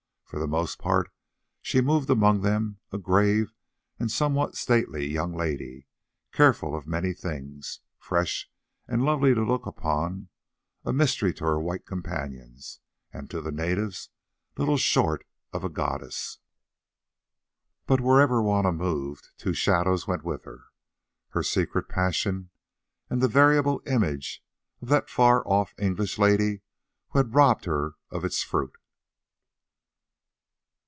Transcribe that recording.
For the most part she moved among them a grave and somewhat stately young lady, careful of many things, fresh and lovely to look upon, a mystery to her white companions, and to the natives little short of a goddess. But wherever Juanna moved two shadows went with her—her secret passion and the variable image of that far off English lady who had robbed her of its fruit.